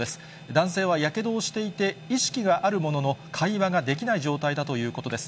男性はやけどをしていて、意識があるものの、会話ができない状態だということです。